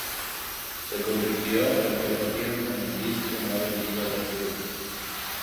Se convirtió en poco tiempo en el disco más vendido del grupo.